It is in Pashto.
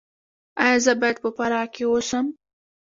ایا زه باید په فراه کې اوسم؟